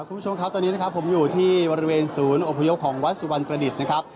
คุณผู้ชมครับตอนนี้นะครับผมอยู่ที่บริเวณศูนย์อพยพของวัดสุวรรณประดิษฐ์นะครับ